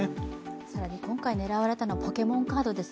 更に、今回狙われたのはポケモンカードです。